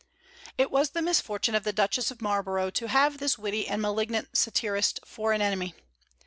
It was the misfortune of the Duchess of Marlborough to have this witty and malignant satirist for an enemy.